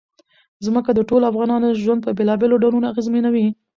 ځمکه د ټولو افغانانو ژوند په بېلابېلو ډولونو اغېزمنوي.